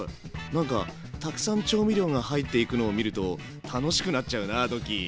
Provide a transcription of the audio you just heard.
なんかたくさん調味料が入っていくのを見ると楽しくなっちゃうなドッキー。